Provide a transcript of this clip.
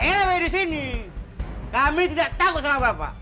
eh pak di sini kami tidak takut sama apa apa